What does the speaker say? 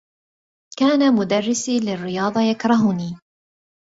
كان مدرّسي للرّياضة يكرهني.